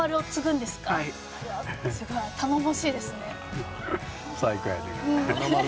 すごい頼もしいですね。